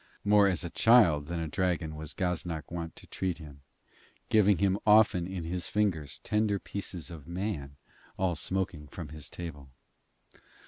More as a child than a dragon was Gaznak wont to treat him, giving him often in his fingers tender pieces of man all smoking from his table.